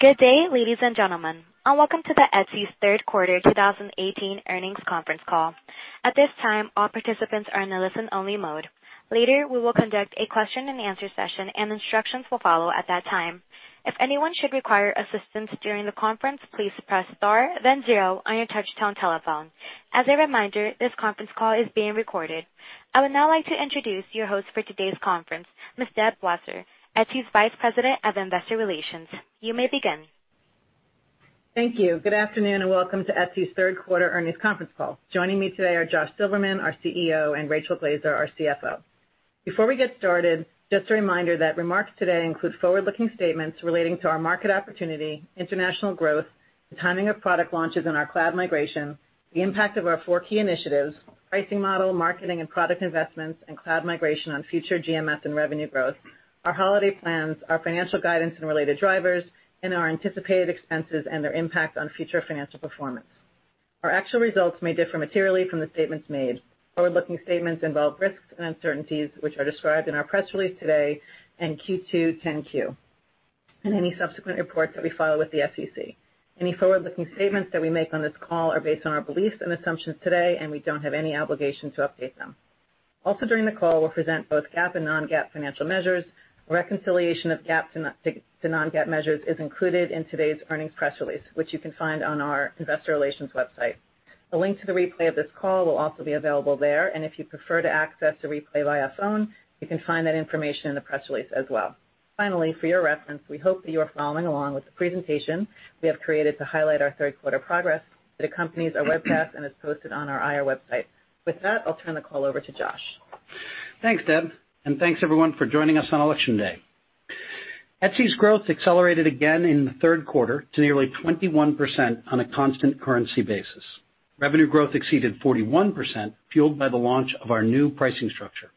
Good day, ladies and gentlemen, and welcome to Etsy's third quarter 2018 earnings conference call. At this time, all participants are in a listen-only mode. Later, we will conduct a question and answer session, and instructions will follow at that time. If anyone should require assistance during the conference, please press star then zero on your touch-tone telephone. As a reminder, this conference call is being recorded. I would now like to introduce your host for today's conference, Ms. Deb Wasser, Etsy's Vice President of Investor Relations. You may begin. Thank you. Good afternoon, and welcome to Etsy's third quarter earnings conference call. Joining me today are Josh Silverman, our CEO, and Rachel Glaser, our CFO. Before we get started, just a reminder that remarks today include forward-looking statements relating to our market opportunity, international growth, the timing of product launches, and our cloud migration, the impact of our four key initiatives, pricing model, marketing, and product investments, and cloud migration on future GMS and revenue growth, our holiday plans, our financial guidance and related drivers, and our anticipated expenses and their impact on future financial performance. Our actual results may differ materially from the statements made. Forward-looking statements involve risks and uncertainties which are described in our press release today and Q2 10-Q, and any subsequent reports that we file with the SEC. Any forward-looking statements that we make on this call are based on our beliefs and assumptions today. We don't have any obligation to update them. During the call, we'll present both GAAP and non-GAAP financial measures. Reconciliation of GAAP to non-GAAP measures is included in today's earnings press release, which you can find on our investor relations website. A link to the replay of this call will also be available there. If you prefer to access the replay via phone, you can find that information in the press release as well. For your reference, we hope that you are following along with the presentation we have created to highlight our third quarter progress that accompanies our webcast and is posted on our IR website. With that, I'll turn the call over to Josh. Thanks, Deb, and thanks everyone for joining us on Election Day. Etsy's growth accelerated again in the third quarter to nearly 21% on a constant currency basis. Revenue growth exceeded 41%, fueled by the launch of our new pricing structure.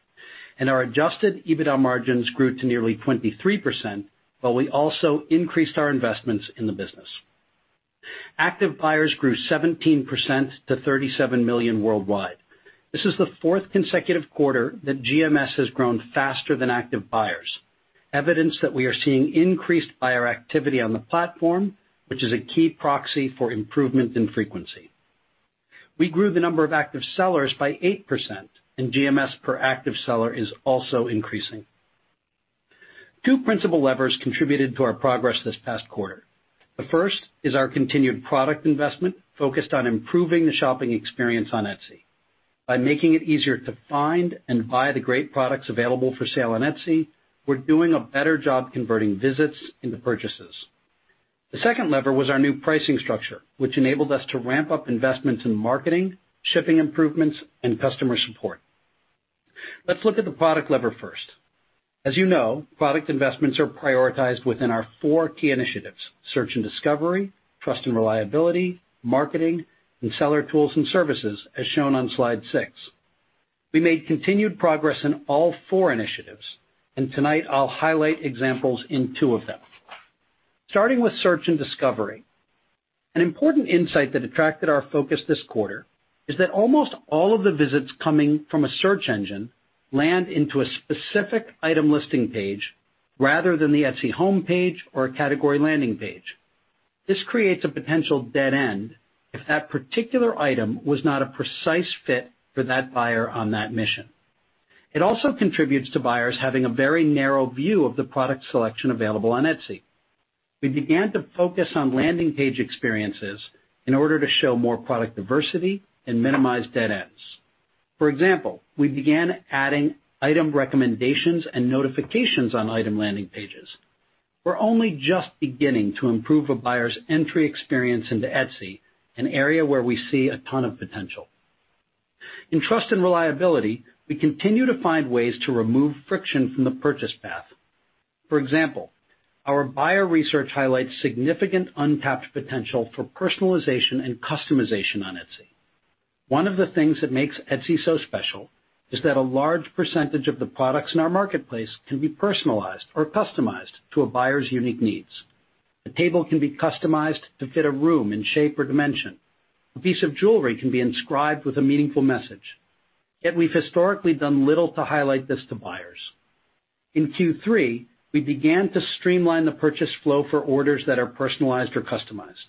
Our adjusted EBITDA margins grew to nearly 23%, while we also increased our investments in the business. Active buyers grew 17% to 37 million worldwide. This is the fourth consecutive quarter that GMS has grown faster than active buyers, evidence that we are seeing increased buyer activity on the platform, which is a key proxy for improvement in frequency. We grew the number of active sellers by 8%, and GMS per active seller is also increasing. Two principal levers contributed to our progress this past quarter. The first is our continued product investment, focused on improving the shopping experience on Etsy. By making it easier to find and buy the great products available for sale on Etsy, we're doing a better job converting visits into purchases. The second lever was our new pricing structure, which enabled us to ramp up investments in marketing, shipping improvements, and customer support. Let's look at the product lever first. As you know, product investments are prioritized within our four key initiatives, search and discovery, trust and reliability, marketing, and seller tools and services, as shown on slide six. We made continued progress in all four initiatives, and tonight I'll highlight examples in two of them. Starting with search and discovery. An important insight that attracted our focus this quarter is that almost all of the visits coming from a search engine land into a specific item listing page rather than the Etsy homepage or a category landing page. This creates a potential dead end if that particular item was not a precise fit for that buyer on that mission. It also contributes to buyers having a very narrow view of the product selection available on Etsy. We began to focus on landing page experiences in order to show more product diversity and minimize dead ends. For example, we began adding item recommendations and notifications on item landing pages. We're only just beginning to improve a buyer's entry experience into Etsy, an area where we see a ton of potential. In trust and reliability, we continue to find ways to remove friction from the purchase path. For example, our buyer research highlights significant untapped potential for personalization and customization on Etsy. One of the things that makes Etsy so special is that a large percentage of the products in our marketplace can be personalized or customized to a buyer's unique needs. A table can be customized to fit a room in shape or dimension. A piece of jewelry can be inscribed with a meaningful message. We've historically done little to highlight this to buyers. In Q3, we began to streamline the purchase flow for orders that are personalized or customized.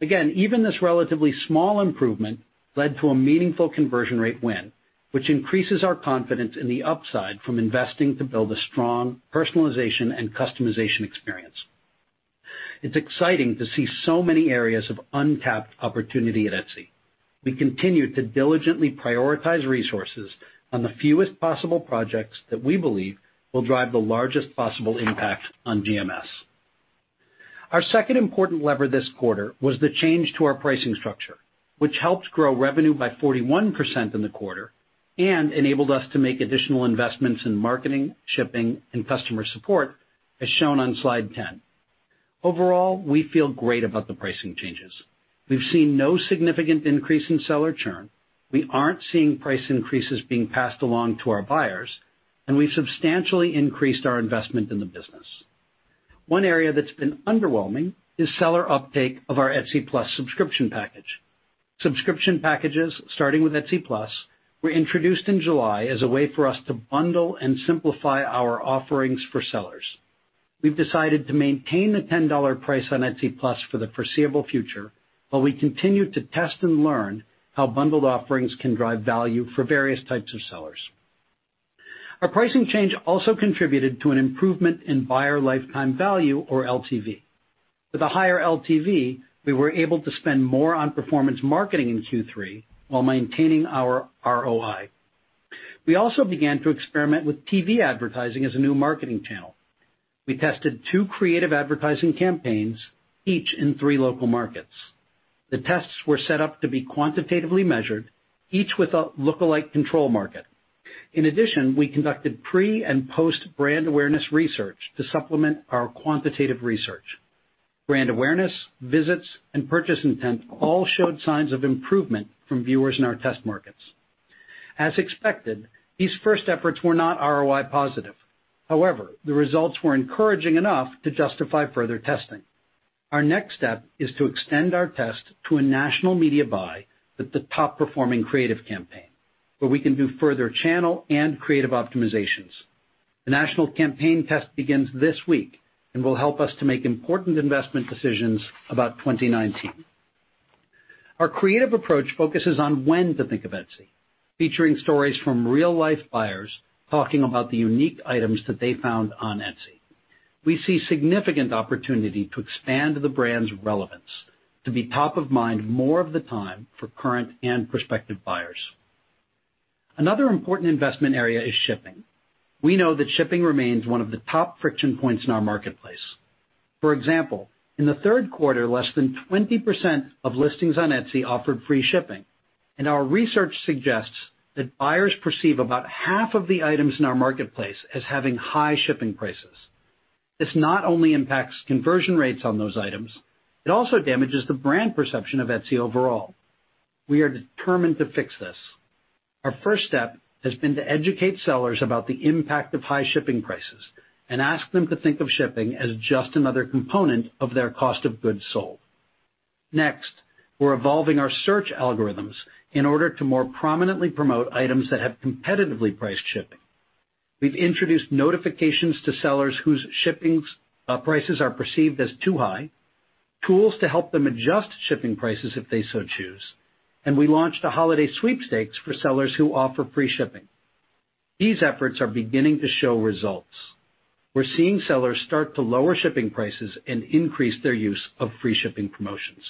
Even this relatively small improvement led to a meaningful conversion rate win, which increases our confidence in the upside from investing to build a strong personalization and customization experience. It's exciting to see so many areas of untapped opportunity at Etsy. We continue to diligently prioritize resources on the fewest possible projects that we believe will drive the largest possible impact on GMS. Our second important lever this quarter was the change to our pricing structure, which helped grow revenue by 41% in the quarter and enabled us to make additional investments in marketing, shipping, and customer support, as shown on slide 10. Overall, we feel great about the pricing changes. We've seen no significant increase in seller churn, we aren't seeing price increases being passed along to our buyers, and we've substantially increased our investment in the business. One area that's been underwhelming is seller uptake of our Etsy Plus subscription package. Subscription packages, starting with Etsy Plus, were introduced in July as a way for us to bundle and simplify our offerings for sellers. We've decided to maintain the $10 price on Etsy Plus for the foreseeable future, while we continue to test and learn how bundled offerings can drive value for various types of sellers. Our pricing change also contributed to an improvement in buyer lifetime value, or LTV. With a higher LTV, we were able to spend more on performance marketing in Q3 while maintaining our ROI. We also began to experiment with TV advertising as a new marketing channel. We tested two creative advertising campaigns, each in three local markets. The tests were set up to be quantitatively measured, each with a lookalike control market. In addition, we conducted pre and post brand awareness research to supplement our quantitative research. Brand awareness, visits, and purchase intent all showed signs of improvement from viewers in our test markets. As expected, these first efforts were not ROI positive. However, the results were encouraging enough to justify further testing. Our next step is to extend our test to a national media buy with the top-performing creative campaign, where we can do further channel and creative optimizations. The national campaign test begins this week and will help us to make important investment decisions about 2019. Our creative approach focuses on when to think of Etsy, featuring stories from real-life buyers talking about the unique items that they found on Etsy. We see significant opportunity to expand the brand's relevance to be top of mind more of the time for current and prospective buyers. Another important investment area is shipping. We know that shipping remains one of the top friction points in our marketplace. For example, in the third quarter, less than 20% of listings on Etsy offered free shipping, and our research suggests that buyers perceive about half of the items in our marketplace as having high shipping prices. This not only impacts conversion rates on those items, it also damages the brand perception of Etsy overall. We are determined to fix this. Our first step has been to educate sellers about the impact of high shipping prices and ask them to think of shipping as just another component of their cost of goods sold. Next, we're evolving our search algorithms in order to more prominently promote items that have competitively priced shipping. We've introduced notifications to sellers whose shipping prices are perceived as too high, tools to help them adjust shipping prices if they so choose, and we launched a holiday sweepstakes for sellers who offer free shipping. These efforts are beginning to show results. We're seeing sellers start to lower shipping prices and increase their use of free shipping promotions.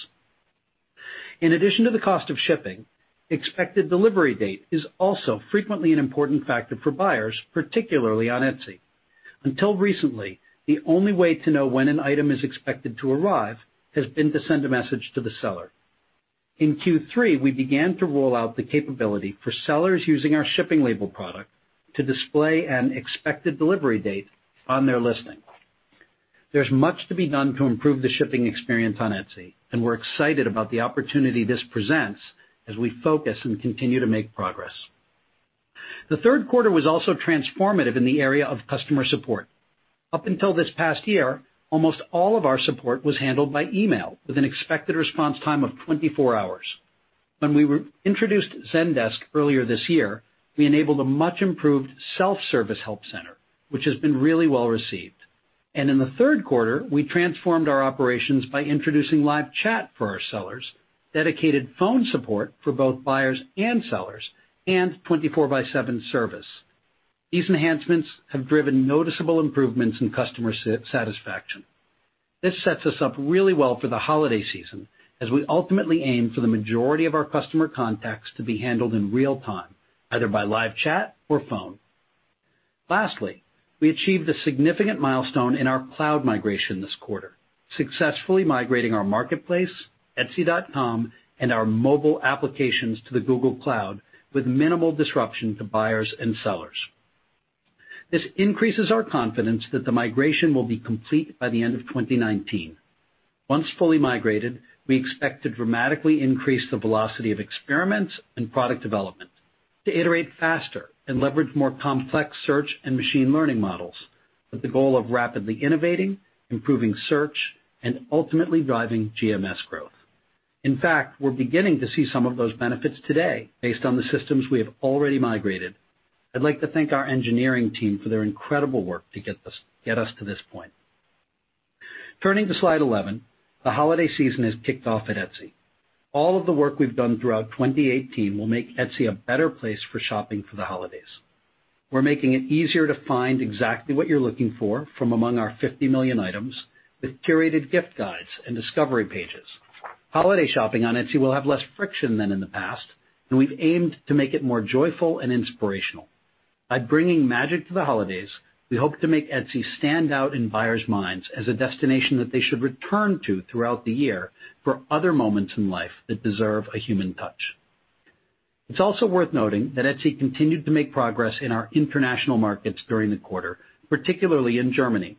In addition to the cost of shipping, expected delivery date is also frequently an important factor for buyers, particularly on Etsy. Until recently, the only way to know when an item is expected to arrive has been to send a message to the seller. In Q3, we began to roll out the capability for sellers using our shipping label product to display an expected delivery date on their listing. There's much to be done to improve the shipping experience on Etsy, and we're excited about the opportunity this presents as we focus and continue to make progress. The third quarter was also transformative in the area of customer support. Up until this past year, almost all of our support was handled by email with an expected response time of 24 hours. When we introduced Zendesk earlier this year, we enabled a much improved self-service help center, which has been really well received. In the third quarter, we transformed our operations by introducing live chat for our sellers, dedicated phone support for both buyers and sellers, and 24/7 service. These enhancements have driven noticeable improvements in customer satisfaction. This sets us up really well for the holiday season, as we ultimately aim for the majority of our customer contacts to be handled in real time, either by live chat or phone. Lastly, we achieved a significant milestone in our cloud migration this quarter, successfully migrating our marketplace, etsy.com, and our mobile applications to the Google Cloud with minimal disruption to buyers and sellers. This increases our confidence that the migration will be complete by the end of 2019. Once fully migrated, we expect to dramatically increase the velocity of experiments and product development to iterate faster and leverage more complex search and machine learning models with the goal of rapidly innovating, improving search, and ultimately driving GMS growth. In fact, we're beginning to see some of those benefits today based on the systems we have already migrated. I'd like to thank our engineering team for their incredible work to get us to this point. Turning to slide 11, the holiday season has kicked off at Etsy. All of the work we've done throughout 2018 will make Etsy a better place for shopping for the holidays. We're making it easier to find exactly what you're looking for from among our 50 million items with curated gift guides and discovery pages. Holiday shopping on Etsy will have less friction than in the past. We've aimed to make it more joyful and inspirational. By bringing magic to the holidays, we hope to make Etsy stand out in buyers' minds as a destination that they should return to throughout the year for other moments in life that deserve a human touch. It's also worth noting that Etsy continued to make progress in our international markets during the quarter, particularly in Germany.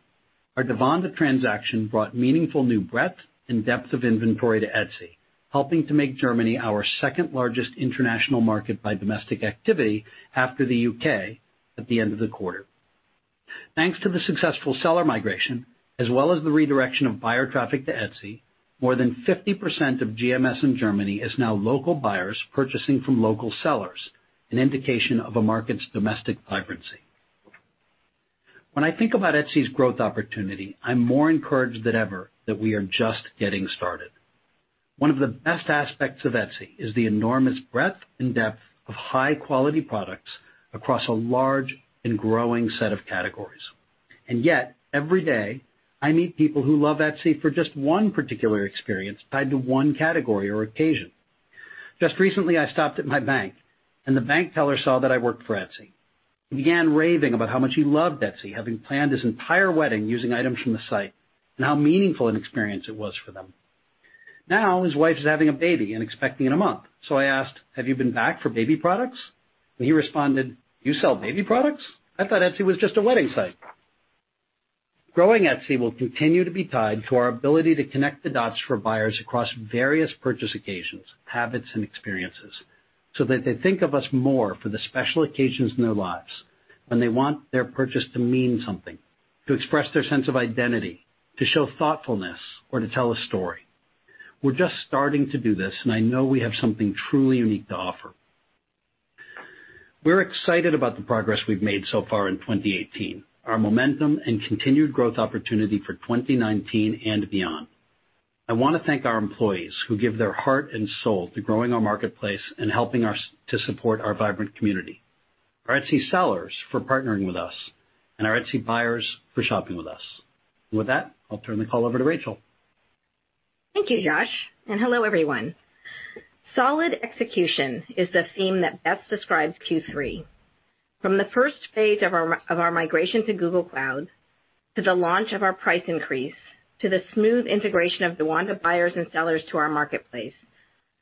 Our DaWanda transaction brought meaningful new breadth and depth of inventory to Etsy, helping to make Germany our second largest international market by domestic activity after the U.K. at the end of the quarter. Thanks to the successful seller migration, as well as the redirection of buyer traffic to Etsy, more than 50% of GMS in Germany is now local buyers purchasing from local sellers, an indication of a market's domestic vibrancy. When I think about Etsy's growth opportunity, I'm more encouraged than ever that we are just getting started. One of the best aspects of Etsy is the enormous breadth and depth of high-quality products across a large and growing set of categories. Yet, every day, I meet people who love Etsy for just one particular experience tied to one category or occasion. Just recently, I stopped at my bank. The bank teller saw that I worked for Etsy. He began raving about how much he loved Etsy, having planned his entire wedding using items from the site. How meaningful an experience it was for them. Now, his wife is having a baby and expecting in a month. I asked, "Have you been back for baby products?" He responded, "You sell baby products? I thought Etsy was just a wedding site." Growing Etsy will continue to be tied to our ability to connect the dots for buyers across various purchase occasions, habits, and experiences, so that they think of us more for the special occasions in their lives when they want their purchase to mean something, to express their sense of identity, to show thoughtfulness, or to tell a story. We're just starting to do this, I know we have something truly unique to offer. We're excited about the progress we've made so far in 2018, our momentum, and continued growth opportunity for 2019 and beyond. I want to thank our employees, who give their heart and soul to growing our marketplace and helping us to support our vibrant community, our Etsy sellers for partnering with us, and our Etsy buyers for shopping with us. With that, I'll turn the call over to Rachel. Thank you, Josh, and hello, everyone. Solid execution is the theme that best describes Q3. From the first phase of our migration to Google Cloud, to the launch of our price increase, to the smooth integration of DaWanda buyers and sellers to our marketplace,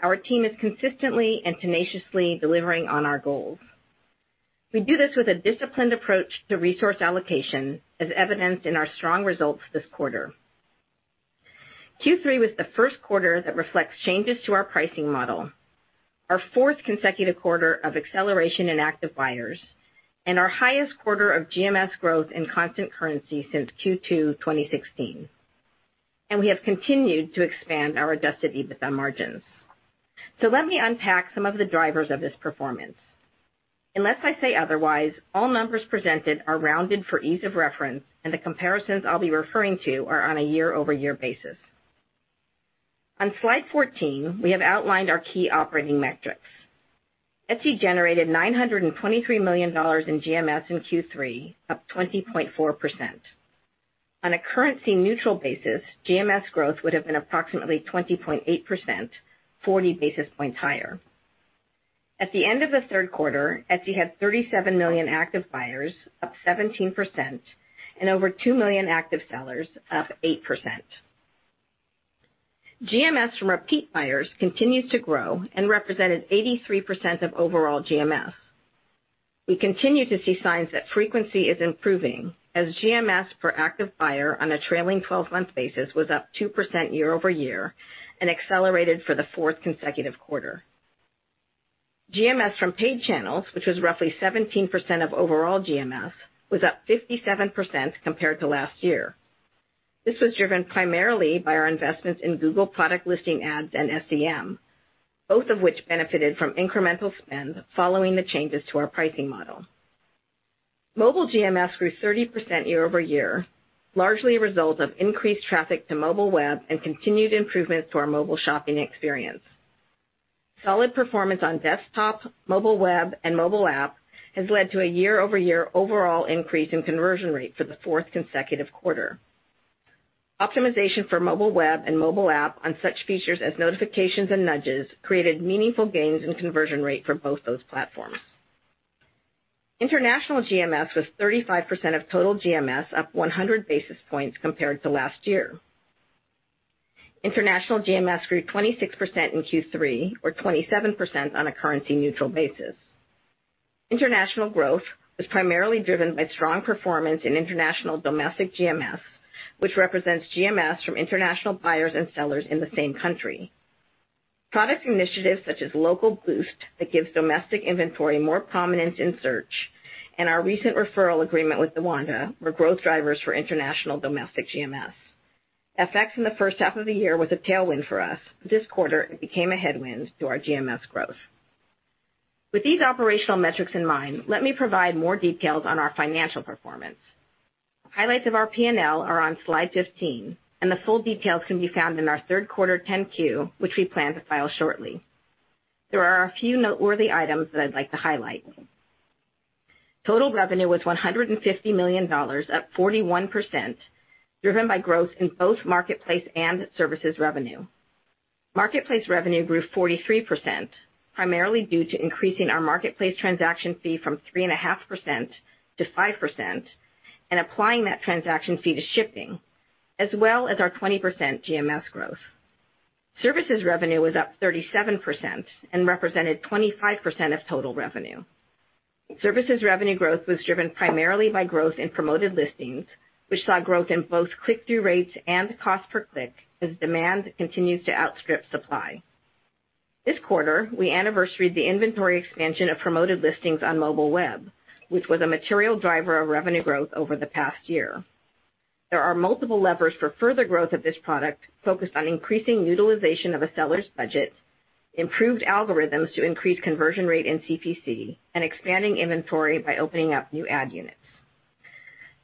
our team is consistently and tenaciously delivering on our goals. We do this with a disciplined approach to resource allocation, as evidenced in our strong results this quarter. Q3 was the first quarter that reflects changes to our pricing model, our fourth consecutive quarter of acceleration in active buyers, and our highest quarter of GMS growth in constant currency since Q2 2016. We have continued to expand our adjusted EBITDA margins. Let me unpack some of the drivers of this performance. Unless I say otherwise, all numbers presented are rounded for ease of reference, the comparisons I'll be referring to are on a year-over-year basis. On slide 14, we have outlined our key operating metrics. Etsy generated $923 million in GMS in Q3, up 20.4%. On a currency-neutral basis, GMS growth would've been approximately 20.8%, 40 basis points higher. At the end of the third quarter, Etsy had 37 million active buyers, up 17%, and over two million active sellers, up 8%. GMS from repeat buyers continues to grow and represented 83% of overall GMS. We continue to see signs that frequency is improving, as GMS per active buyer on a trailing 12-month basis was up 2% year-over-year and accelerated for the fourth consecutive quarter. GMS from paid channels, which was roughly 17% of overall GMS, was up 57% compared to last year. This was driven primarily by our investments in Google Product Listing Ads and SEM, both of which benefited from incremental spend following the changes to our pricing model. Mobile GMS grew 30% year-over-year, largely a result of increased traffic to mobile web and continued improvements to our mobile shopping experience. Solid performance on desktop, mobile web, and mobile app has led to a year-over-year overall increase in conversion rate for the fourth consecutive quarter. Optimization for mobile web and mobile app on such features as notifications and nudges created meaningful gains in conversion rate for both those platforms. International GMS was 35% of total GMS, up 100 basis points compared to last year. International GMS grew 26% in Q3, or 27% on a currency-neutral basis. International growth was primarily driven by strong performance in international domestic GMS, which represents GMS from international buyers and sellers in the same country. Product initiatives such as Local Boost that gives domestic inventory more prominence in search and our recent referral agreement with DaWanda were growth drivers for international domestic GMS. FX in the first half of the year was a tailwind for us. This quarter, it became a headwind to our GMS growth. With these operational metrics in mind, let me provide more details on our financial performance. Highlights of our P&L are on slide 15, and the full details can be found in our third quarter 10-Q, which we plan to file shortly. There are a few noteworthy items that I'd like to highlight. Total revenue was $150 million, up 41%, driven by growth in both marketplace and services revenue. Marketplace revenue grew 43%, primarily due to increasing our marketplace transaction fee from 3.5% to 5% and applying that transaction fee to shipping, as well as our 20% GMS growth. Services revenue was up 37% and represented 25% of total revenue. Services revenue growth was driven primarily by growth in promoted listings, which saw growth in both click-through rates and cost per click as demand continues to outstrip supply. This quarter, we anniversaried the inventory expansion of promoted listings on mobile web, which was a material driver of revenue growth over the past year. There are multiple levers for further growth of this product focused on increasing utilization of a seller's budget, improved algorithms to increase conversion rate in CPC, and expanding inventory by opening up new ad units.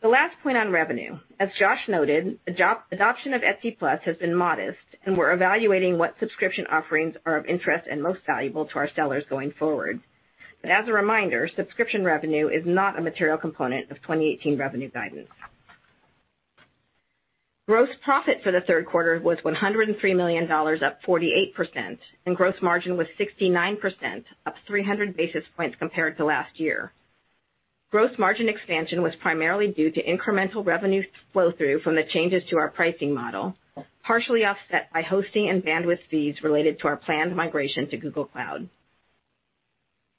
The last point on revenue. As Josh noted, adoption of Etsy Plus has been modest, and we're evaluating what subscription offerings are of interest and most valuable to our sellers going forward. As a reminder, subscription revenue is not a material component of 2018 revenue guidance. Gross profit for the third quarter was $103 million, up 48%, and gross margin was 69%, up 300 basis points compared to last year. Gross margin expansion was primarily due to incremental revenue flow-through from the changes to our pricing model, partially offset by hosting and bandwidth fees related to our planned migration to Google Cloud.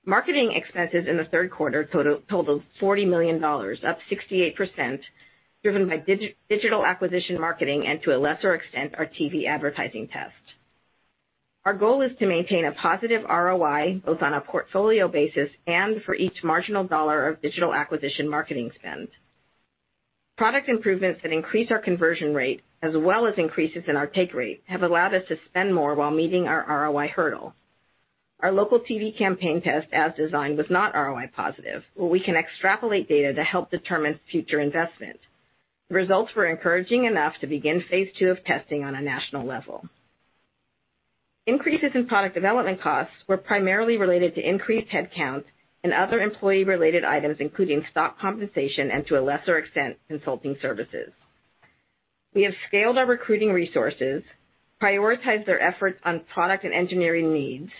Marketing expenses in the third quarter totaled $40 million, up 68%, driven by digital acquisition marketing and, to a lesser extent, our TV advertising test. Our goal is to maintain a positive ROI both on a portfolio basis and for each marginal dollar of digital acquisition marketing spend. Product improvements that increase our conversion rate, as well as increases in our take rate, have allowed us to spend more while meeting our ROI hurdle. Our local TV campaign test as designed was not ROI positive, but we can extrapolate data to help determine future investment. The results were encouraging enough to begin phase 2 of testing on a national level. Increases in product development costs were primarily related to increased headcount and other employee-related items, including stock compensation and, to a lesser extent, consulting services. We have scaled our recruiting resources, prioritized their efforts on product and engineering needs,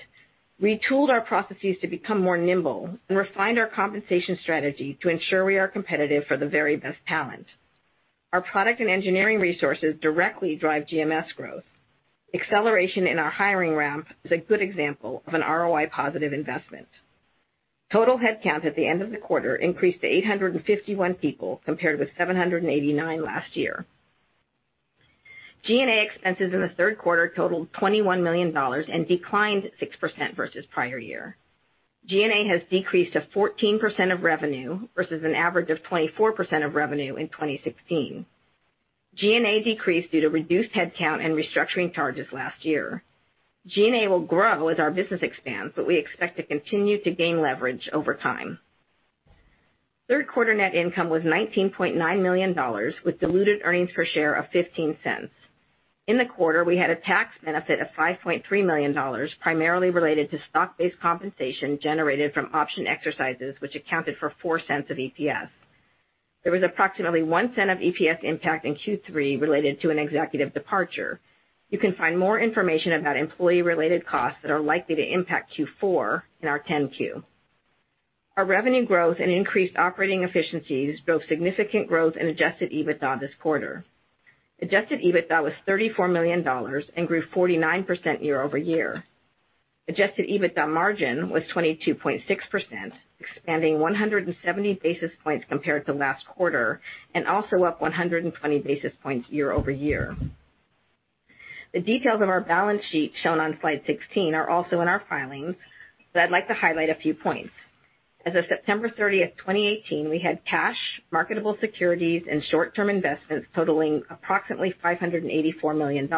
retooled our processes to become more nimble, and refined our compensation strategy to ensure we are competitive for the very best talent. Our product and engineering resources directly drive GMS growth. Acceleration in our hiring ramp is a good example of an ROI positive investment. Total headcount at the end of the quarter increased to 851 people, compared with 789 last year. G&A expenses in the third quarter totaled $21 million and declined 6% versus prior year. G&A has decreased to 14% of revenue versus an average of 24% of revenue in 2016. G&A decreased due to reduced headcount and restructuring charges last year. G&A will grow as our business expands, but we expect to continue to gain leverage over time. Third quarter net income was $19.9 million, with diluted earnings per share of $0.15. In the quarter, we had a tax benefit of $5.3 million, primarily related to stock-based compensation generated from option exercises, which accounted for $0.04 of EPS. There was approximately $0.01 of EPS impact in Q3 related to an executive departure. You can find more information about employee-related costs that are likely to impact Q4 in our 10-Q. Our revenue growth and increased operating efficiencies drove significant growth in adjusted EBITDA this quarter. Adjusted EBITDA was $34 million and grew 49% year-over-year. Adjusted EBITDA margin was 22.6%, expanding 170 basis points compared to last quarter, and also up 120 basis points year-over-year. The details of our balance sheet shown on slide 16 are also in our filings, but I'd like to highlight a few points. As of September 30, 2018, we had cash, marketable securities, and short-term investments totaling approximately $584 million.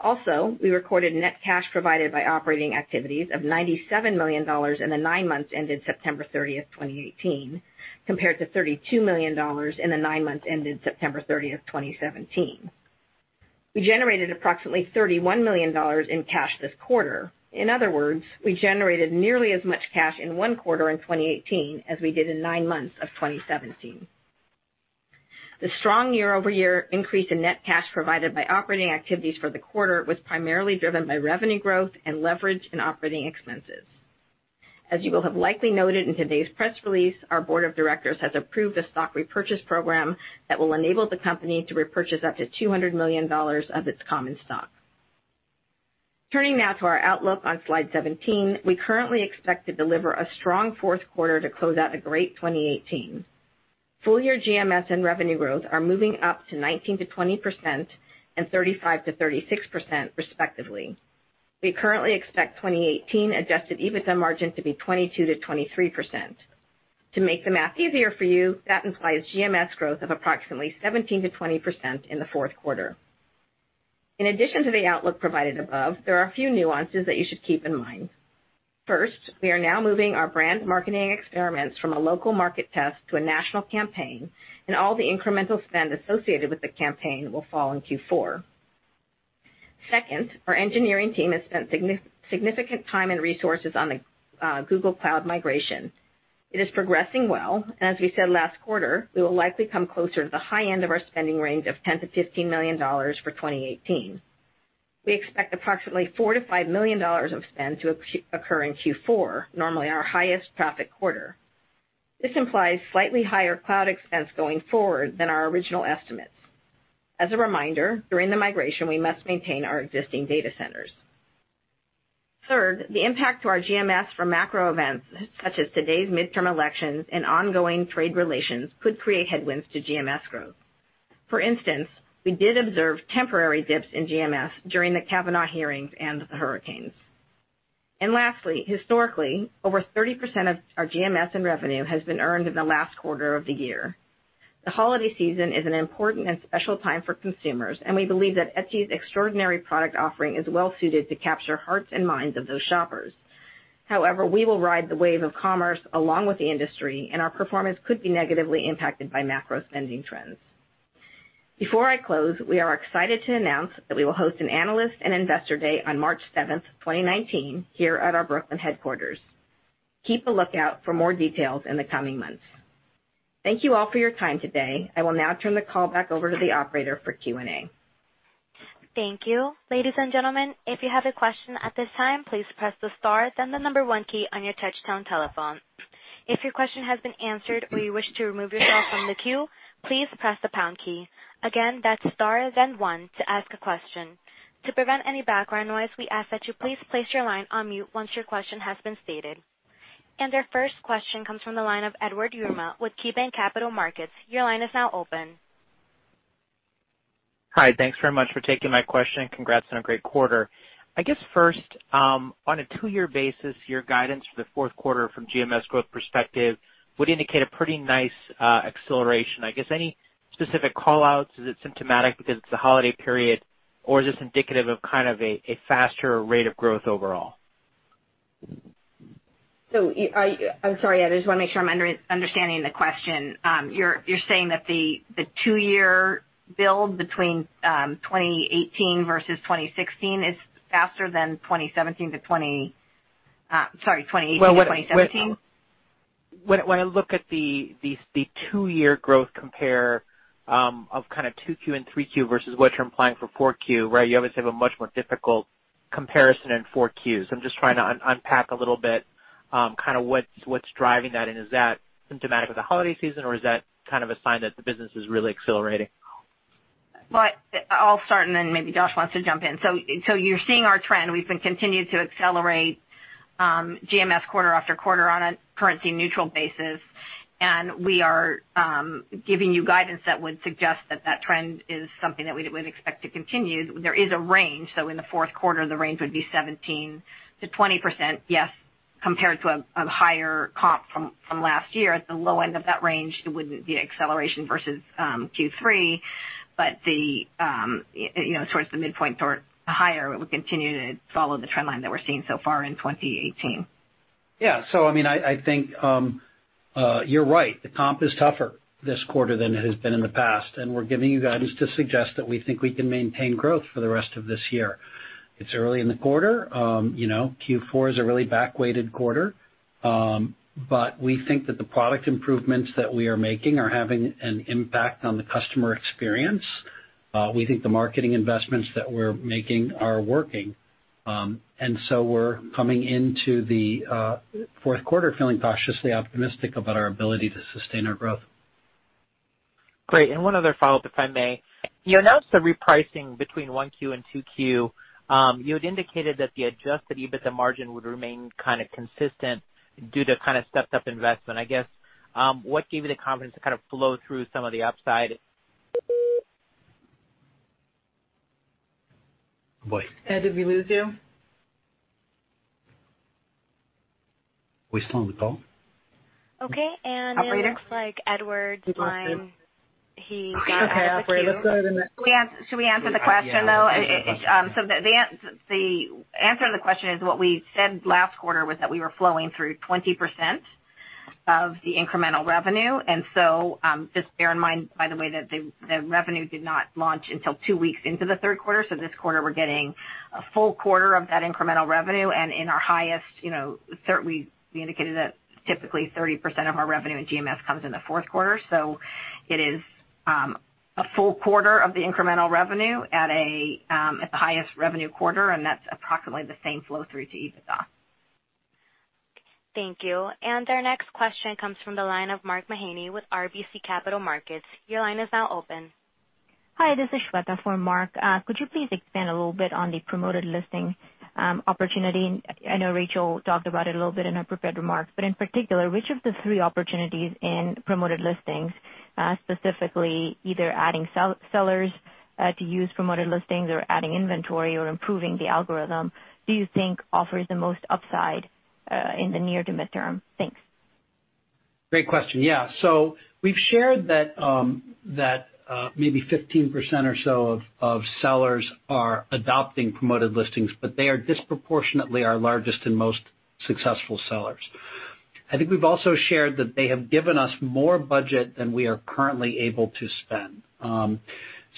Also, we recorded net cash provided by operating activities of $97 million in the nine months ended September 30, 2018, compared to $32 million in the nine months ended September 30, 2017. We generated approximately $31 million in cash this quarter. In other words, we generated nearly as much cash in one quarter in 2018 as we did in nine months of 2017. The strong year-over-year increase in net cash provided by operating activities for the quarter was primarily driven by revenue growth and leverage in operating expenses. As you will have likely noted in today's press release, our board of directors has approved a stock repurchase program that will enable the company to repurchase up to $200 million of its common stock. Turning now to our outlook on Slide 17. We currently expect to deliver a strong fourth quarter to close out a great 2018. Full year GMS and revenue growth are moving up to 19%-20% and 35%-36%, respectively. We currently expect 2018 adjusted EBITDA margin to be 22%-23%. To make the math easier for you, that implies GMS growth of approximately 17%-20% in the fourth quarter. In addition to the outlook provided above, there are a few nuances that you should keep in mind. First, we are now moving our brand marketing experiments from a local market test to a national campaign, and all the incremental spend associated with the campaign will fall in Q4. Second, our engineering team has spent significant time and resources on the Google Cloud migration. It is progressing well, and as we said last quarter, we will likely come closer to the high end of our spending range of $10 million-$15 million for 2018. We expect approximately $4 million-$5 million of spend to occur in Q4, normally our highest profit quarter. This implies slightly higher cloud expense going forward than our original estimates. As a reminder, during the migration, we must maintain our existing data centers. Third, the impact to our GMS from macro events such as today's midterm elections and ongoing trade relations could create headwinds to GMS growth. For instance, we did observe temporary dips in GMS during the Kavanaugh hearings and the hurricanes. Lastly, historically, over 30% of our GMS in revenue has been earned in the last quarter of the year. The holiday season is an important and special time for consumers, and we believe that Etsy's extraordinary product offering is well suited to capture hearts and minds of those shoppers. However, we will ride the wave of commerce along with the industry, and our performance could be negatively impacted by macro spending trends. Before I close, we are excited to announce that we will host an analyst and investor day on March 7th, 2019, here at our Brooklyn headquarters. Keep a lookout for more details in the coming months. Thank you all for your time today. I will now turn the call back over to the operator for Q&A. Thank you. Ladies and gentlemen, if you have a question at this time, please press the star then the number one key on your touchtone telephone. If your question has been answered or you wish to remove yourself from the queue, please press the pound key. Again, that's star then one to ask a question. To prevent any background noise, we ask that you please place your line on mute once your question has been stated. Our first question comes from the line of Edward Yruma with KeyBanc Capital Markets. Your line is now open. Hi, thanks very much for taking my question. Congrats on a great quarter. I guess first, on a two-year basis, your guidance for the fourth quarter from GMS growth perspective would indicate a pretty nice acceleration. I guess any specific call-outs, is it symptomatic because it's the holiday period, or is this indicative of kind of a faster rate of growth overall? I'm sorry, Ed, I just want to make sure I'm understanding the question. You're saying that the two-year build between 2018 versus 2016 is faster than 2017 to 2018 to 2017? When I look at the two-year growth compare of 2Q and 3Q versus what you're implying for 4Q, right? You obviously have a much more difficult comparison in 4Q. I'm just trying to unpack a little bit what's driving that, and is that symptomatic of the holiday season, or is that kind of a sign that the business is really accelerating? Well, I'll start, then maybe Josh wants to jump in. You're seeing our trend. We've been continued to accelerate GMS quarter after quarter on a currency neutral basis, we are giving you guidance that would suggest that that trend is something that we'd expect to continue. There is a range, in the fourth quarter, the range would be 17%-20%, yes, compared to a higher comp from last year. At the low end of that range, it would be acceleration versus Q3. Towards the midpoint or higher, it would continue to follow the trend line that we're seeing so far in 2018. Yeah. I think you're right. The comp is tougher this quarter than it has been in the past, and we're giving you guidance to suggest that we think we can maintain growth for the rest of this year. It's early in the quarter. Q4 is a really back-weighted quarter. We think that the product improvements that we are making are having an impact on the customer experience. We think the marketing investments that we're making are working. We're coming into the fourth quarter feeling cautiously optimistic about our ability to sustain our growth. Great. One other follow-up, if I may. You announced a repricing between 1Q and 2Q. You had indicated that the adjusted EBITDA margin would remain kind of consistent due to kind of stepped up investment. I guess, what gave you the confidence to kind of flow through some of the upside? Boy. Ed, did we lose you? Are we still on the call? Okay. It looks like Edward's line, he got out of the queue. Okay, operator, let's go to the next. Should we answer the question, though? Yeah. Let's answer the question. The answer to the question is what we said last quarter was that we were flowing through 20% of the incremental revenue. Just bear in mind, by the way, that the revenue did not launch until two weeks into the third quarter. This quarter, we're getting a full quarter of that incremental revenue, and in our highest, we indicated that typically 30% of our revenue in GMS comes in the fourth quarter. It is a full quarter of the incremental revenue at the highest revenue quarter, and that's approximately the same flow through to EBITDA. Thank you. Our next question comes from the line of Mark Mahaney with RBC Capital Markets. Your line is now open. Hi, this is Shweta for Mark. Could you please expand a little bit on the promoted listing opportunity? I know Rachel talked about it a little bit in her prepared remarks, but in particular, which of the three opportunities in promoted listings, specifically either adding sellers to use promoted listings or adding inventory or improving the algorithm, do you think offers the most upside in the near to midterm? Thanks. Great question. Yeah. We've shared that maybe 15% or so of sellers are adopting promoted listings, but they are disproportionately our largest and most successful sellers. I think we've also shared that they have given us more budget than we are currently able to spend.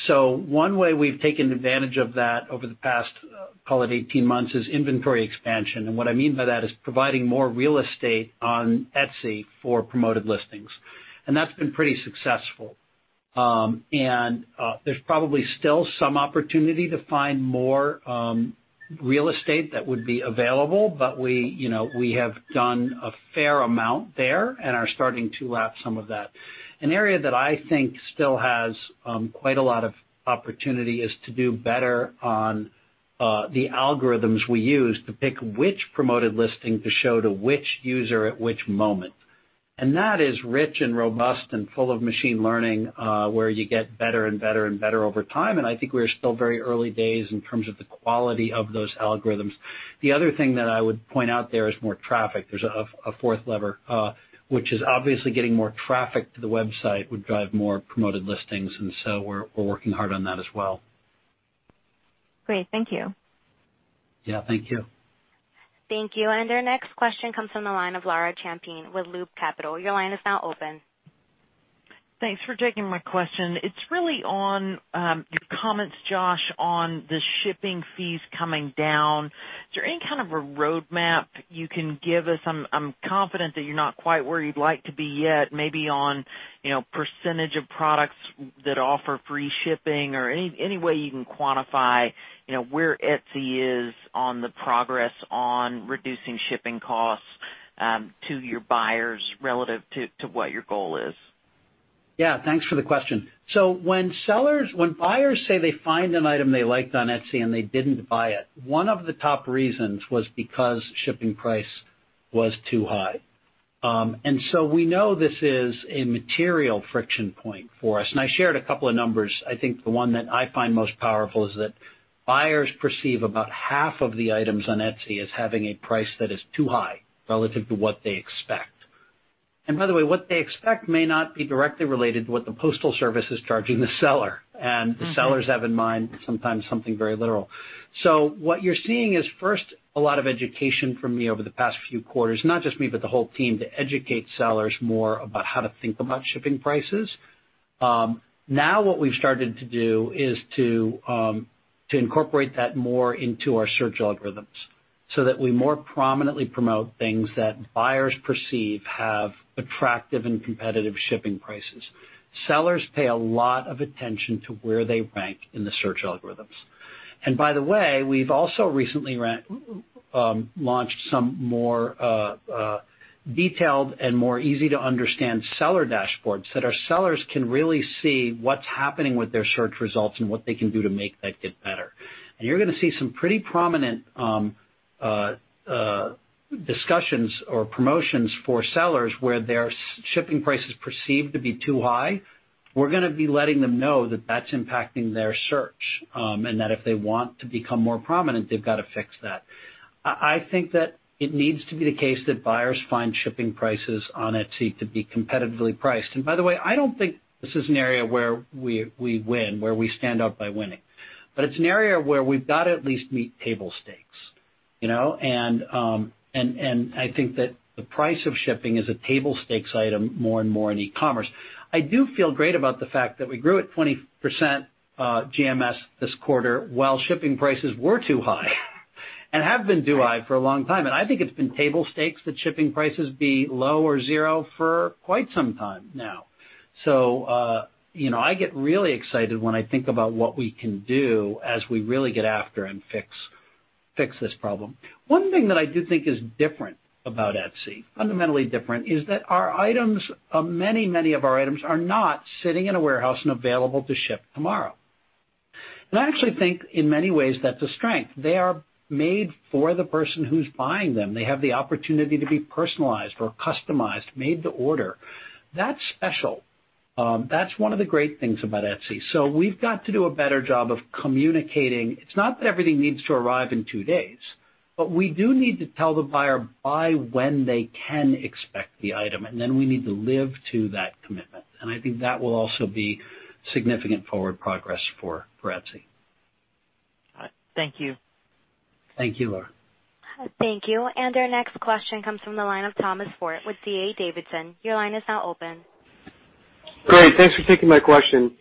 One way we've taken advantage of that over the past, call it 18 months, is inventory expansion. What I mean by that is providing more real estate on Etsy for promoted listings. That's been pretty successful. There's probably still some opportunity to find more real estate that would be available, but we have done a fair amount there and are starting to lap some of that. An area that I think still has quite a lot of opportunity is to do better on the algorithms we use to pick which promoted listing to show to which user at which moment. That is rich and robust and full of machine learning, where you get better and better and better over time. I think we're still very early days in terms of the quality of those algorithms. The other thing that I would point out there is more traffic. There's a fourth lever, which is obviously getting more traffic to the website, would drive more promoted listings. We're working hard on that as well. Great. Thank you. Yeah, thank you. Thank you. Our next question comes from the line of Laura Champine with Loop Capital. Your line is now open. Thanks for taking my question. It's really on your comments, Josh, on the shipping fees coming down. Is there any kind of a roadmap you can give us? I'm confident that you're not quite where you'd like to be yet, maybe on percentage of products that offer free shipping or any way you can quantify where Etsy is on the progress on reducing shipping costs, to your buyers relative to what your goal is. Thanks for the question. When buyers say they find an item they liked on Etsy and they didn't buy it, one of the top reasons was because shipping price was too high. We know this is a material friction point for us, and I shared a couple of numbers. I think the one that I find most powerful is that buyers perceive about half of the items on Etsy as having a price that is too high relative to what they expect. By the way, what they expect may not be directly related to what the postal service is charging the seller. The sellers have in mind sometimes something very literal. What you're seeing is, first, a lot of education from me over the past few quarters, not just me, but the whole team, to educate sellers more about how to think about shipping prices. What we've started to do is to incorporate that more into our search algorithms so that we more prominently promote things that buyers perceive have attractive and competitive shipping prices. Sellers pay a lot of attention to where they rank in the search algorithms. By the way, we've also recently launched some more detailed and more easy-to-understand seller dashboards that our sellers can really see what's happening with their search results and what they can do to make that get better. You're going to see some pretty prominent discussions or promotions for sellers where their shipping price is perceived to be too high. We're going to be letting them know that that's impacting their search, and that if they want to become more prominent, they've got to fix that. I think that it needs to be the case that buyers find shipping prices on Etsy to be competitively priced. By the way, I don't think this is an area where we win, where we stand up by winning. It's an area where we've got to at least meet table stakes. I think that the price of shipping is a table stakes item more and more in e-commerce. I do feel great about the fact that we grew at 20% GMS this quarter while shipping prices were too high and have been too high for a long time, and I think it's been table stakes that shipping prices be low or zero for quite some time now. I get really excited when I think about what we can do as we really get after and fix this problem. One thing that I do think is different about Etsy, fundamentally different, is that our items, many of our items are not sitting in a warehouse and available to ship tomorrow. I actually think in many ways that's a strength. They are made for the person who's buying them. They have the opportunity to be personalized or customized, made to order. That's special. That's one of the great things about Etsy. We've got to do a better job of communicating. It's not that everything needs to arrive in two days, but we do need to tell the buyer by when they can expect the item, and then we need to live to that commitment, and I think that will also be significant forward progress for Etsy. All right. Thank you. Thank you, Laura. Thank you. Our next question comes from the line of Thomas Forte with D.A. Davidson. Your line is now open. Great. Thanks for taking my question.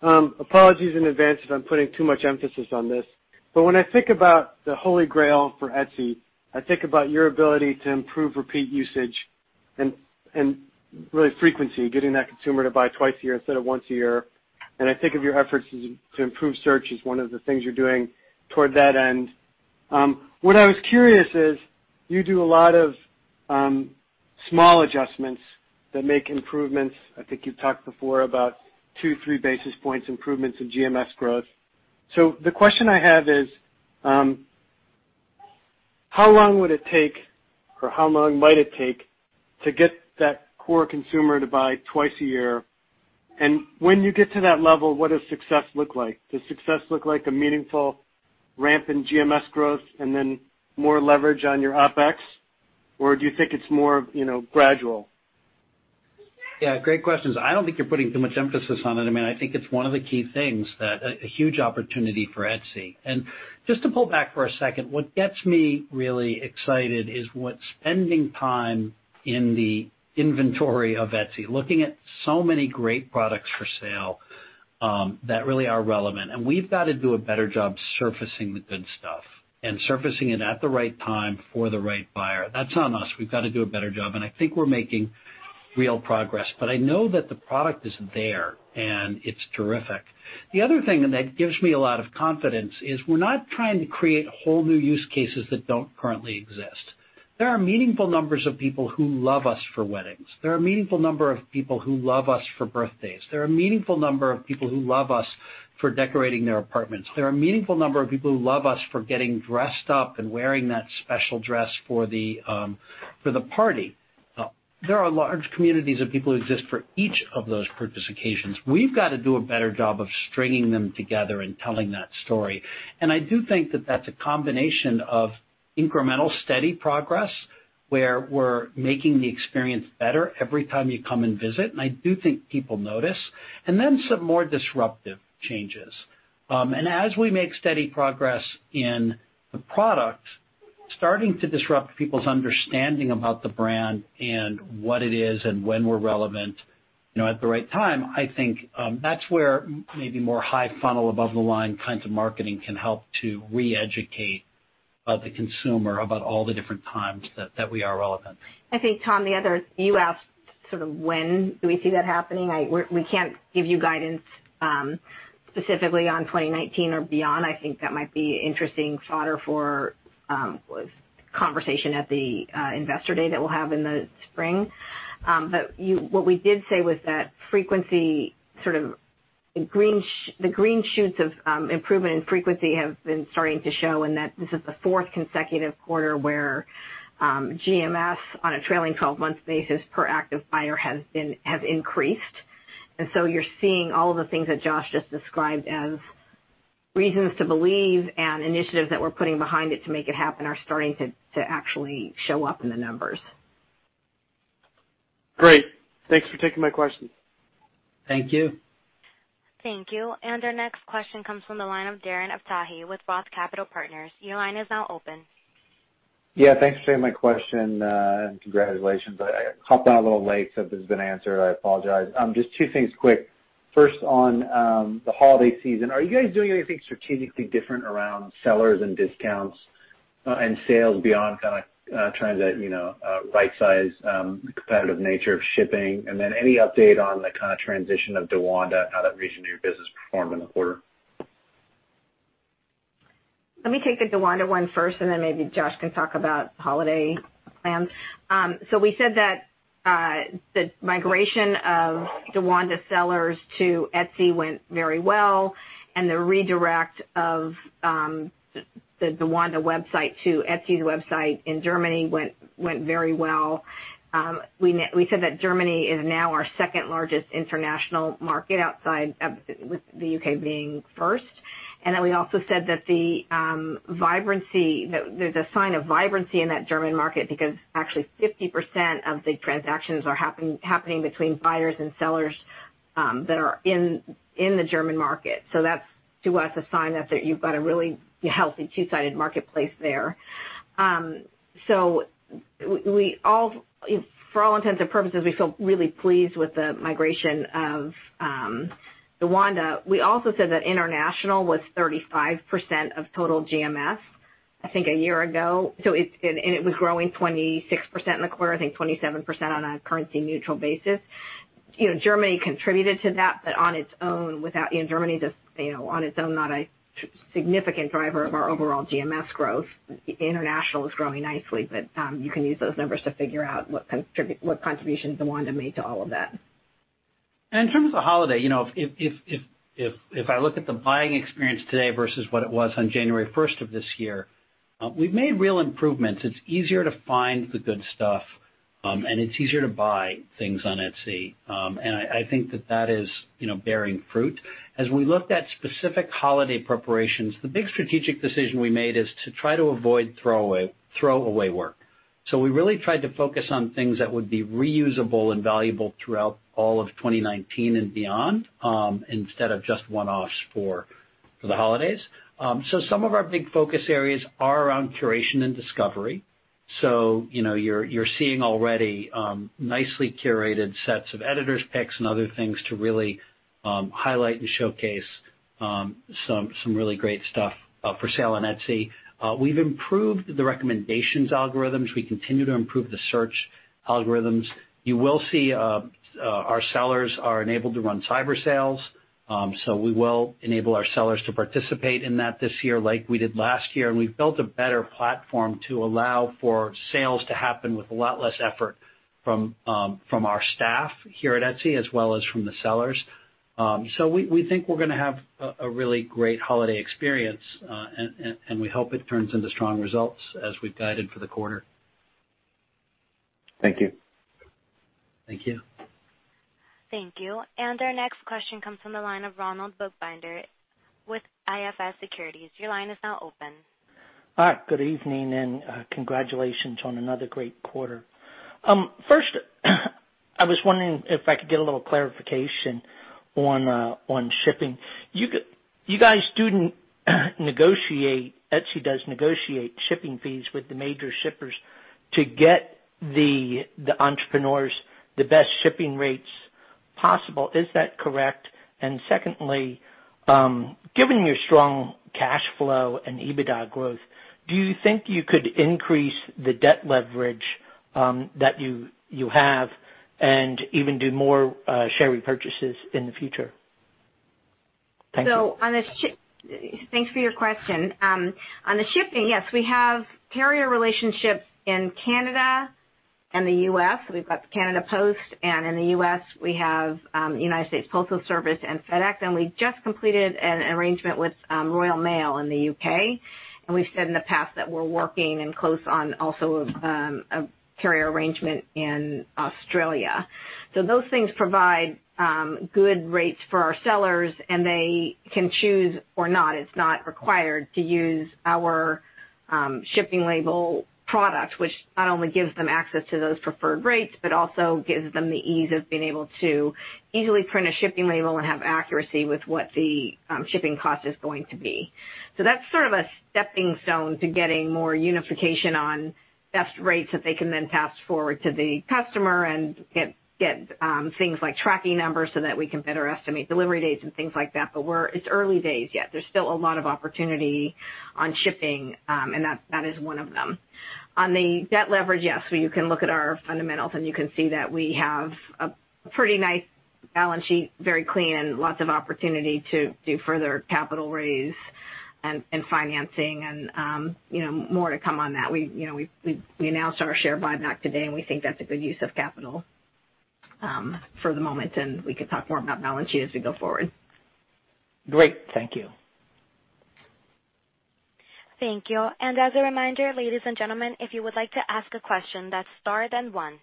Apologies in advance if I'm putting too much emphasis on this, but when I think about the Holy Grail for Etsy, I think about your ability to improve repeat usage and really frequency, getting that consumer to buy twice a year instead of once a year. I think of your efforts to improve search as one of the things you're doing toward that end. What I was curious is, you do a lot of small adjustments that make improvements. I think you've talked before about two, three basis points improvements in GMS growth. The question I have is, how long would it take or how long might it take to get that core consumer to buy twice a year? When you get to that level, what does success look like? Does success look like a meaningful ramp in GMS growth and then more leverage on your OpEx? Or do you think it's more gradual? Yeah, great questions. I don't think you're putting too much emphasis on it. I think it's one of the key things that a huge opportunity for Etsy. Just to pull back for a second, what gets me really excited is what spending time in the inventory of Etsy, looking at so many great products for sale, that really are relevant, and we've got to do a better job surfacing the good stuff and surfacing it at the right time for the right buyer. That's on us. We've got to do a better job, and I think we're making real progress. I know that the product is there, and it's terrific. The other thing, and that gives me a lot of confidence, is we're not trying to create whole new use cases that don't currently exist. There are meaningful numbers of people who love us for weddings. There are a meaningful number of people who love us for birthdays. There are a meaningful number of people who love us for decorating their apartments. There are a meaningful number of people who love us for getting dressed up and wearing that special dress for the party. There are large communities of people who exist for each of those purchase occasions. We've got to do a better job of stringing them together and telling that story. I do think that that's a combination of incremental steady progress, where we're making the experience better every time you come and visit, and I do think people notice. Then some more disruptive changes. As we make steady progress in the product, starting to disrupt people's understanding about the brand and what it is and when we're relevant, at the right time, I think, that's where maybe more high funnel above the line kinds of marketing can help to re-educate the consumer about all the different times that we are relevant. I think, Tom, the other, you asked sort of when do we see that happening. We can't give you guidance, specifically on 2019 or beyond. I think that might be interesting fodder for conversation at the Investor Day that we'll have in the spring. What we did say was that frequency, sort of the green shoots of improvement in frequency have been starting to show, that this is the fourth consecutive quarter where GMS on a trailing 12-month basis per active buyer has increased. You're seeing all of the things that Josh just described as reasons to believe and initiatives that we're putting behind it to make it happen are starting to actually show up in the numbers. Great. Thanks for taking my question. Thank you. Thank you. Our next question comes from the line of Darren Aftahi with Roth Capital Partners. Your line is now open. Thanks for taking my question, and congratulations. I hopped on a little late, so if this has been answered, I apologize. Just two things quick. First, on the holiday season, are you guys doing anything strategically different around sellers and discounts and sales beyond kind of trying to right size the competitive nature of shipping? Then any update on the kind of transition of DaWanda and how that region of your business performed in the quarter? Let me take the DaWanda one first, and then maybe Josh can talk about holiday plans. We said that the migration of DaWanda sellers to Etsy went very well, and the redirect of the DaWanda website to Etsy's website in Germany went very well. We said that Germany is now our second-largest international market outside, with the U.K. being first. We also said that there's a sign of vibrancy in that German market because actually 50% of the transactions are happening between buyers and sellers that are in the German market. That's, to us, a sign that you've got a really healthy two-sided marketplace there. For all intents and purposes, we feel really pleased with the migration of DaWanda. We also said that international was 35% of total GMS, I think, a year ago. It was growing 26% in the quarter, I think 27% on a currency neutral basis. Germany contributed to that. On its own, Germany is not a significant driver of our overall GMS growth. International is growing nicely, but you can use those numbers to figure out what contribution DaWanda made to all of that. In terms of holiday, if I look at the buying experience today versus what it was on January 1st of this year, we've made real improvements. It's easier to find the good stuff, and it's easier to buy things on Etsy. I think that that is bearing fruit. As we looked at specific holiday preparations, the big strategic decision we made is to try to avoid throwaway work. We really tried to focus on things that would be reusable and valuable throughout all of 2019 and beyond, instead of just one-offs for the holidays. Some of our big focus areas are around curation and discovery. You're seeing already nicely curated sets of editors' picks and other things to really highlight and showcase some really great stuff for sale on Etsy. We've improved the recommendations algorithms. We continue to improve the search algorithms. You will see our sellers are enabled to run cyber sales. We will enable our sellers to participate in that this year like we did last year, we've built a better platform to allow for sales to happen with a lot less effort from our staff here at Etsy as well as from the sellers. We think we're going to have a really great holiday experience, and we hope it turns into strong results as we've guided for the quarter. Thank you. Thank you. Thank you. Our next question comes from the line of Ronald Bookbinder with IFS Securities. Your line is now open. Hi, good evening, and congratulations on another great quarter. First, I was wondering if I could get a little clarification on shipping. You guys do negotiate, Etsy does negotiate shipping fees with the major shippers to get the entrepreneurs the best shipping rates possible. Is that correct? Secondly, given your strong cash flow and EBITDA growth, do you think you could increase the debt leverage that you have and even do more share repurchases in the future? Thanks for your question. On the shipping, yes, we have carrier relationships in Canada and the U.S. We've got Canada Post, and in the U.S., we have United States Postal Service and FedEx, and we just completed an arrangement with Royal Mail in the U.K. We've said in the past that we're working and close on also a carrier arrangement in Australia. Those things provide good rates for our sellers, and they can choose or not. It's not required to use our shipping label product, which not only gives them access to those preferred rates, but also gives them the ease of being able to easily print a shipping label and have accuracy with what the shipping cost is going to be. That's sort of a stepping stone to getting more unification on best rates that they can then pass forward to the customer and get things like tracking numbers so that we can better estimate delivery dates and things like that. It's early days yet. There's still a lot of opportunity on shipping, and that is one of them. On the debt leverage, yes. You can look at our fundamentals, and you can see that we have a pretty nice balance sheet, very clean, and lots of opportunity to do further capital raise and financing and more to come on that. We announced our share buyback today, and we think that's a good use of capital for the moment, and we can talk more about balance sheet as we go forward. Great. Thank you. Thank you. As a reminder, ladies and gentlemen, if you would like to ask a question, that's star, then one.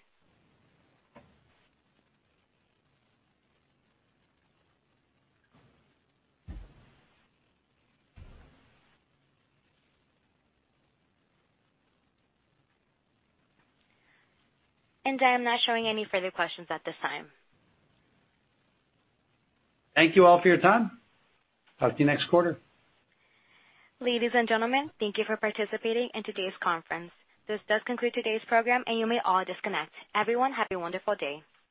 I am not showing any further questions at this time. Thank you all for your time. Talk to you next quarter. Ladies and gentlemen, thank you for participating in today's conference. This does conclude today's program. You may all disconnect. Everyone, have a wonderful day.